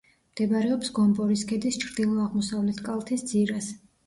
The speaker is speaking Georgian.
მდებარეობს გომბორის ქედის ჩრდილო-აღმოსავლეთ კალთის ძირას.